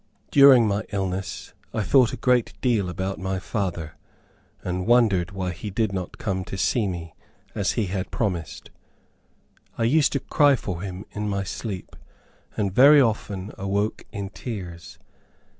During my illness I thought a great deal about my father, and wondered why he did not come to see me, as he had promised. I used to cry for him in my sleep, and very often awoke in tears.